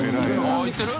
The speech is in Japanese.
あぁいってる？